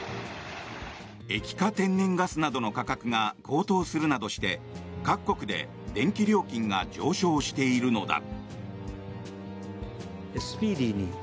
液化天然ガスなどの価格が高騰するなどして各国で電気料金が上昇しているのだ。